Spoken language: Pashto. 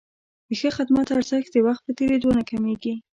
د ښه خدمت ارزښت د وخت په تېرېدو نه کمېږي.